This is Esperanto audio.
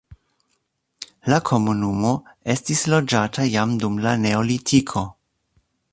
La komunumo estis loĝata jam dum la neolitiko.